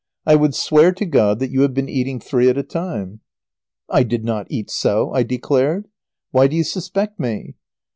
I would swear to God that you have been eating three at a time." "I did not eat so," I declared. "Why do you suspect me?"